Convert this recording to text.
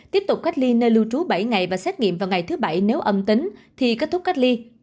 tiếp tục cách ly nơi lưu trú bảy ngày và xét nghiệm vào ngày thứ bảy nếu âm tính thì kết thúc cách ly